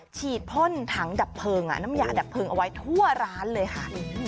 ฉีดพ่นถังดับเพลิงน้ำยาดับเพลิงเอาไว้ทั่วร้านเลยค่ะ